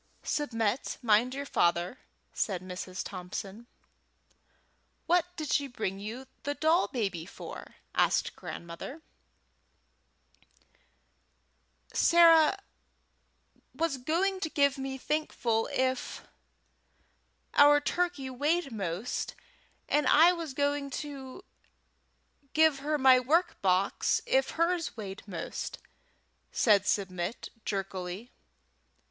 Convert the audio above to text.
"Submit, mind your father," said Mrs. Thompson. "What did she bring you the doll baby for?" asked Grandmother Thompson. "Sarah was going to give me Thankful if our turkey weighed most, and I was going to give her my work box if hers weighed most," said Submit jerkily.